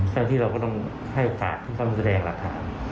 และที่เราก็ต้องให้โอกาสที่ต้องแสดงระหว่าง